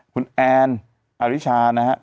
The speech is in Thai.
คุณแอนอาริชานะครับ